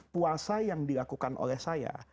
puasa yang dilakukan oleh saya